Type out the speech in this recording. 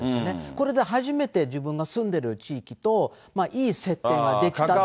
これで初めて自分の住んでる地域といい接点ができたという。